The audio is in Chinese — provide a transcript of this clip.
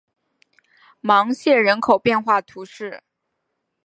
芒谢人口变化图示